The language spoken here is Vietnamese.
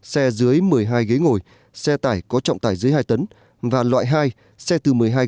xe dưới một mươi hai ghế ngồi xe tải có trọng tải dưới hai tấn và loại hai xe từ một mươi hai